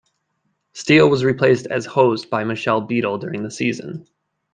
Steele was replaced as host by Michelle Beadle during the season.